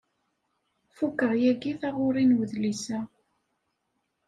Fukeɣ yagi taɣuri n wedlis-a.